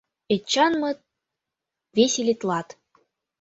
Эчанмыт веселитлат.